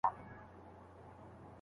هغه نقيب چې هيڅو نه لري په دې وطن کې